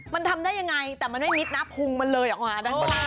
มันทำได้ยังไงแต่มันไม่มิดนะพุงมันเลยออกมาได้